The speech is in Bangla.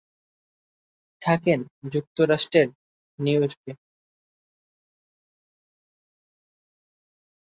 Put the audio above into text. থাকেন যুক্তরাষ্ট্রের নিউইয়র্কে।